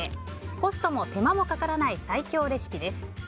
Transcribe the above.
コストも手間もかからない最強レシピです。